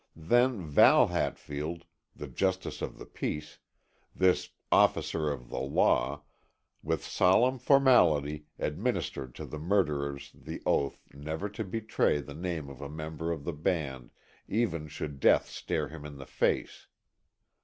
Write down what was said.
Then Val Hatfield, the justice of the peace, this officer of the law, with solemn formality administered to the murderers the oath never to betray the name of a member of the band even should death stare him in the face.